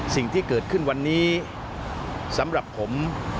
สิ่งที่เกิดขึ้นวันนี้สำหรับผม